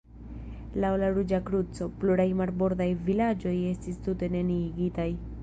Laŭ la Ruĝa Kruco, pluraj marbordaj vilaĝoj estis tute neniigitaj.